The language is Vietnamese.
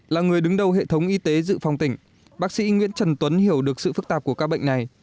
là người đứng đầu hệ thống y tế dự phòng tỉnh bác sĩ nguyễn trần tuấn hiểu được sự phức tạp của các bệnh này